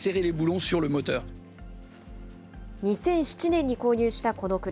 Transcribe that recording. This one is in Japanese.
２００７年に購入したこの車。